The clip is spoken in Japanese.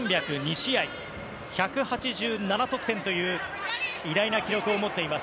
試合１８７得点という偉大な記録を持っています